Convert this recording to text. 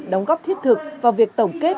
đóng góp thiết thực và việc tổng kết